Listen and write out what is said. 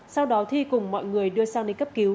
sau đó thi cùng mọi người đưa sang đi cấp cứu